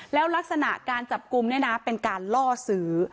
แล้วลักษณะการจับกลุ่มเนี่ยนะเป็นการล่อซื้อ